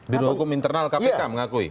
birohukum internal kpk mengakui